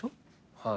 はい。